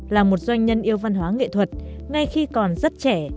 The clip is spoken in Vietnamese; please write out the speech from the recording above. là một doanh nhân yêu văn hóa nghệ thuật ngay khi còn rất trẻ